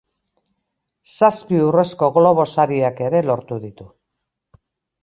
Zazpi Urrezko Globo Sariak ere lortu ditu.